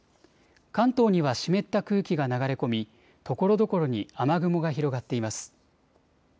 関東には湿った空気が流れ込みところどころに雨雲が広がっています。